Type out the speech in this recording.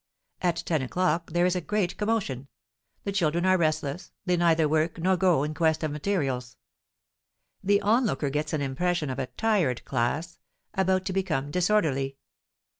At 10 o'clock there is a great commotion; the children are restless, they neither work nor go in quest of materials. The onlooker gets an impression of a tired class, about to become disorderly.